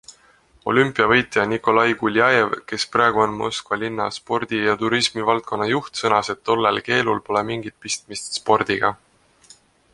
Olümpiavõitja Nikolai Guljajev, kes praegu on Moskva linna spordi- ja turimisivaldkonna juht, sõnas, et tollel keelul pole mingit pistmist spordiga.